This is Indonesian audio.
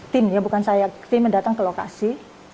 timnya bukan saya timnya datang ke lokasi